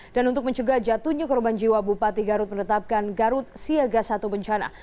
dan untuk mencegah jatuhnya korban jiwa bupati garut menetapkan garut siaga satu bencana